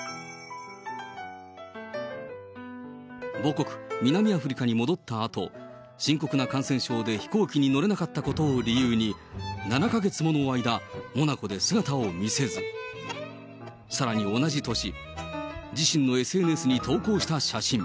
母国南アフリカに戻ったあと、深刻な感染症で飛行機に乗れなかったことを理由に、７か月もの間、モナコで姿を見せず、さらに同じ年、自身のＳＮＳに投稿した写真。